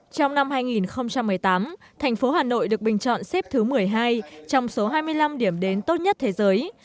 trong năm hai nghìn một mươi tám thành phố hà nội được bình chọn xếp thứ một mươi hai trong số hai mươi năm điểm đến tốt nhất thế giới